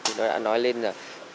thì nó đã nói lên là